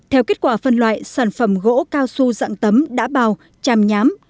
theo kết quả phân loại sản phẩm gỗ cao su dạng tấm đã bào tràm nhám